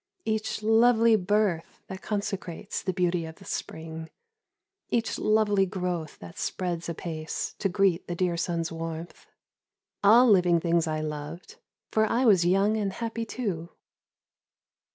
Each lovely birth that consecrates the beauty of the spring, Each lovely growth that spreads apace To greet the dear sun's warmth All living things I loved, For I was young and happy too.